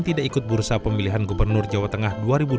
tidak ikut bursa pemilihan gubernur jawa tengah dua ribu dua puluh